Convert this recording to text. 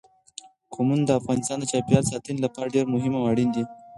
قومونه د افغانستان د چاپیریال ساتنې لپاره ډېر مهم او اړین دي.